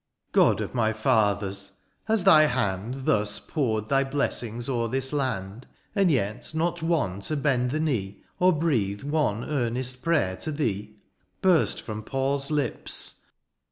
^^ God of my fathers ! has thy hand ^^ Thus poured thy blessings o'er this land, '^ And yet not one to bend the knee, ^^ Or breathe one earnest prayer to thee,'' Burst from Paul's lips.